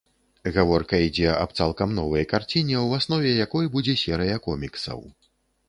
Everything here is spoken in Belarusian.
Гаворка ідзе аб цалкам новай карціне, у аснове якой будзе серыя коміксаў.